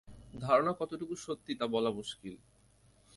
ধারণা কতটুক সত্যি তা বলা মুশকিল।